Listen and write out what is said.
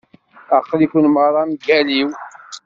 Aql-iken merra mgal-iw.